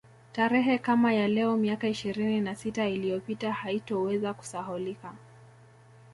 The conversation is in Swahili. Tarehe kama ya leo miaka ishirini na sita iliyopita haitoweza kusahaulika